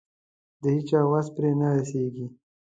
د هيچا وس پرې نه رسېږي.